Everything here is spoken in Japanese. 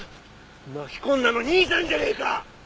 巻き込んだの兄さんじゃねえか！